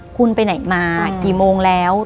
คุณไปไหนมากี่โมงแล้ว